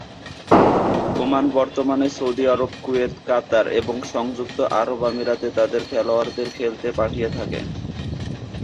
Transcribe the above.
Oman বর্তমানে Saudi Arab, Kuwait, Qatar এবং সংযুক্ত আরব আমিরাতে তাদের খেলোয়াড়দের খেলতে পাঠিয়ে থাকে।